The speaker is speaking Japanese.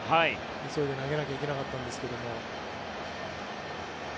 急いで投げなきゃいけなかったんですけども。